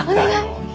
お願い！